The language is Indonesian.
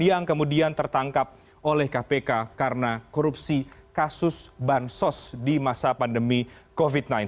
yang kemudian tertangkap oleh kpk karena korupsi kasus bansos di masa pandemi covid sembilan belas